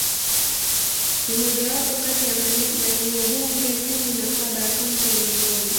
Ni mojawapo kati ya maeneo bunge kumi na saba ya Kaunti ya Nairobi.